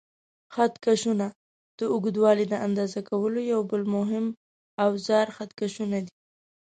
خط کشونه: د اوږدوالي د اندازه کولو یو بل مهم اوزار خط کشونه دي.